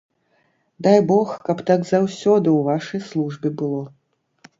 Дай бог, каб так заўсёды ў вашай службе было.